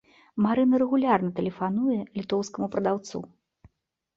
Марына рэгулярна тэлефануе літоўскаму прадаўцу.